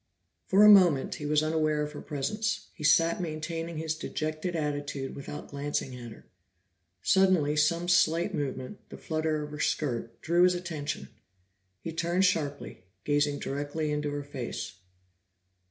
For a moment he was unaware of her presence; he sat maintaining his dejected attitude without glancing at her. Suddenly some slight movement, the flutter of her skirt, drew his attention; he turned sharply, gazing directly into her face.